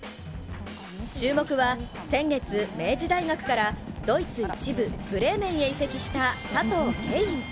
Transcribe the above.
注目は先月、明治大学からドイツ一部ブレーメンへ移籍した佐藤恵允。